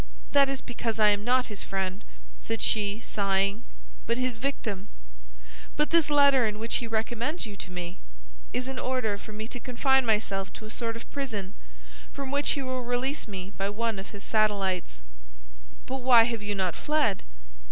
"That is because I am not his friend," said she, sighing, "but his victim!" "But this letter in which he recommends you to me?" "Is an order for me to confine myself to a sort of prison, from which he will release me by one of his satellites." "But why have you not fled?"